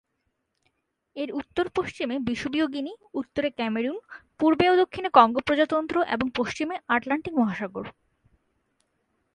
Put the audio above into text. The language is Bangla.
এর উত্তর-পশ্চিমে বিষুবীয় গিনি, উত্তরে ক্যামেরুন, পূর্বে ও দক্ষিণে কঙ্গো প্রজাতন্ত্র, এবং পশ্চিমে আটলান্টিক মহাসাগর।